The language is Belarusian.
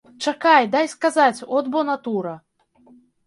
Чакай, дай сказаць, от бо натура!